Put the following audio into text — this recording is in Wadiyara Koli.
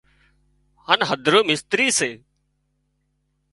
هانَ هڌرو مستري سي